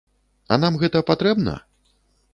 А нам гэта патрэбна?